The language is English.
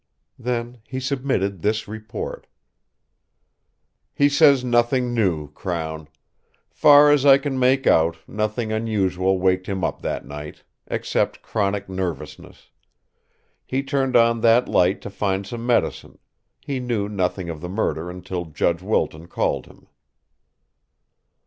Then he submitted this report: "He says nothing new, Crown. Far as I can make out, nothing unusual waked him up that night except chronic nervousness; he turned on that light to find some medicine; he knew nothing of the murder until Judge Wilton called him."